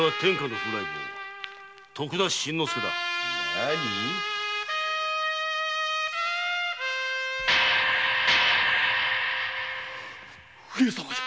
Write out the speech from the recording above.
何上様じゃ。